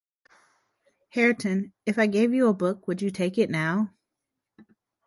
Hareton, if I gave you a book, would you take it now?